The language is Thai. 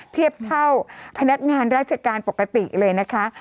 เทียบเท่าพนักงานราชการปกติเลยนะคะ